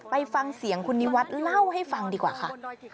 เพื่อนหลงเสียงคุณนิวัตเล่าให้ฟังดีกว่าค่ะ